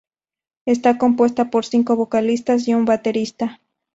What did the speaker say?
Está compuesta por cinco vocalistas y un baterista.